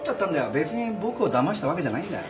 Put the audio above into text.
別に僕をだましたわけじゃないんだよ。